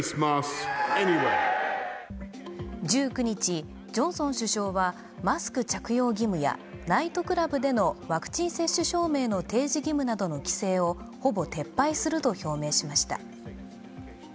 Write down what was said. １９日、ジョンソン首相はマスク着用義務やナイトクラブでのワクチン接種証明の提示義務などの規制をほぼ撤廃すると表明しました。